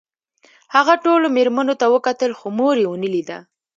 هغه ټولو مېرمنو ته وکتل خو مور یې ونه لیده